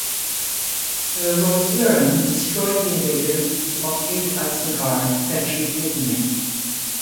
The Rohirrim destroyed the invaders and blockaded Isengard, eventually taking it.